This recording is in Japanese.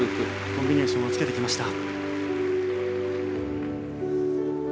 コンビネーションをつけてきました。